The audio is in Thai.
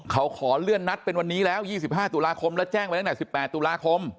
เขาขอเลื่อนนัดเป็นวันนี้แล้ว๒๕ตุลาคมแล้วแจ้งไปตั้งแต่๑๘ตุลาคม